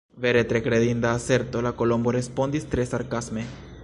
"Vere tre kredinda aserto!" la Kolombo respondis tre sarkasme.